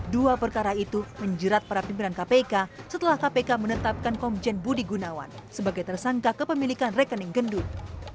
dua perkara itu menjerat para pimpinan kpk setelah kpk menetapkan komjen budi gunawan sebagai tersangka kepemilikan rekening gendut